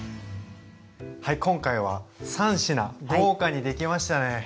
はい今回は３品豪華にできましたね！